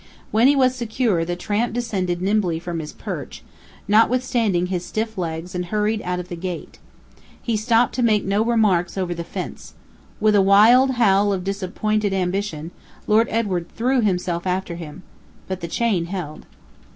When he was secure, the tramp descended nimbly from his perch, notwithstanding his stiff legs, and hurried out of the gate. He stopped to make no remarks over the fence. With a wild howl of disappointed ambition, Lord Edward threw himself after him. But the chain held.